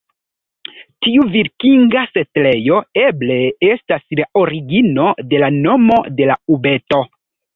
Tiu vikinga setlejo eble estas la origino de la nomo de la ubeto.